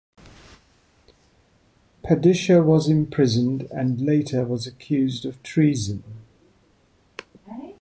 Padishah was imprisoned and later was accused of treason.